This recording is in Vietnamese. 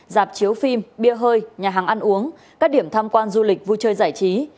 dạp chiếu phim bia hơi nhà hàng ăn uống các điểm tham quan du lịch vui chơi giải trí